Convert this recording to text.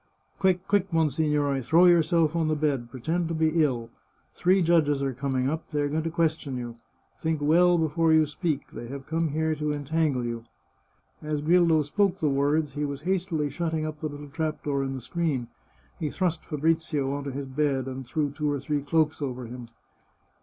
" Quick, quick, monsignore ! Throw yourself on your bed — pretend to be ill. Three judges are coming up ; they are going to question you. Think well before you speak ; they have come here to entangle you." As Grillo spoke the words he was hastily shutting up the little trap door in the screen. He thrust Fabrizio on to his bed, and threw two or three cloaks over him.